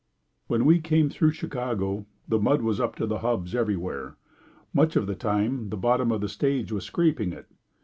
When we came through Chicago, the mud was up to the hubs everywhere. Much of the time the bottom of the stage was scraping it.